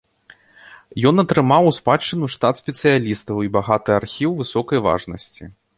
Ён атрымаў у спадчыну штат спецыялістаў і багаты архіў высокай важнасці.